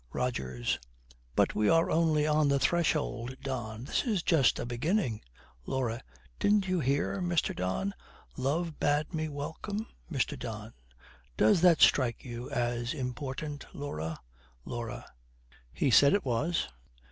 ROGERS. 'But we are only on the threshold, Don. This is just a beginning.' LAURA. 'Didn't you hear, Mr. Don "Love Bade Me Welcome"?' MR. DON. 'Does that strike you as important, Laura?' LAURA. 'He said it was.'